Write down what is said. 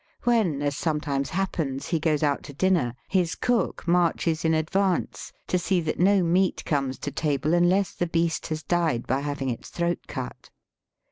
When, as some times happens, he goes out to dinner, his cook marches in advance to see that no meat comes to table unless the beast has died by having its throat cut.